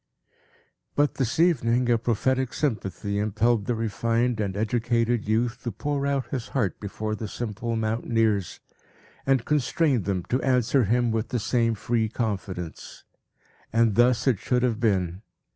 But, this evening, a prophetic sympathy impelled the refined and educated youth to pour out his heart before the simple mountaineers, and constrained them to answer him with the same free confidence. And thus it should have been.